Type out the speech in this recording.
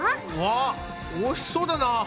わぁおいしそうだなぁ。